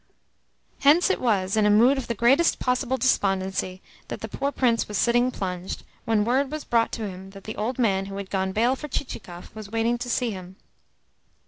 Hence it was in a mood of the greatest possible despondency that the poor Prince was sitting plunged when word was brought to him that the old man who had gone bail for Chichikov was waiting to see him.